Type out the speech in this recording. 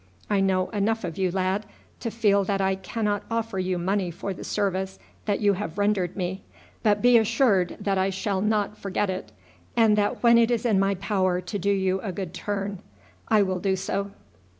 I know enough of you, lad, to feel that I cannot offer you money for the service that you have rendered me; but be assured that I shall not forget it, and that when it is in my power to do you a good turn I will do so."